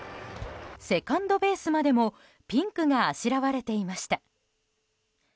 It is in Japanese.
セカンドベースまでもピンクがあしらわれていました。